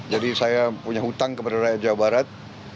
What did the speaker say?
jadi saya punya hutang kepada rakyat jawa barat